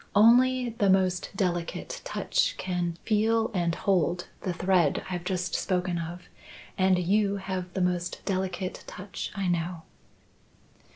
Only the most delicate touch can feel and hold the thread I've just spoken of, and you have the most delicate touch I know."